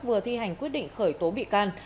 vừa thi hành quyết định khởi tố bị can